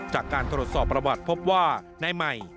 จากการตรวจสอบประวัติพบว่านายใหม่